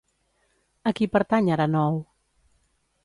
A qui pertany Aranow?